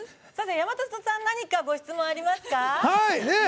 山里さん何かご質問ありますか？